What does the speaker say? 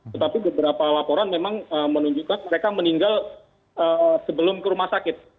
tetapi beberapa laporan memang menunjukkan mereka meninggal sebelum ke rumah sakit